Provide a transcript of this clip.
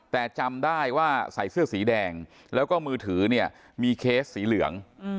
แต่จำได้ว่าใส่เสื้อสีแดงแล้วก็มือถือเนี่ยมีเคสสีเหลือง